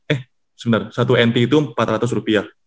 eh sebenernya satu nt itu empat ratus rupiah